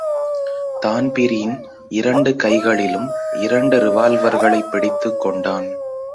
Dan Breen இரண்டு கைகளிலும் இரண்டு ரிவால்வர்களைப் பிடித்துக்கொண்டான்.